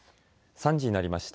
３時になりました。